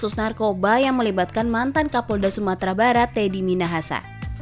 snarkoba yang melibatkan mantan kapolda sumatera barat teddy minahasa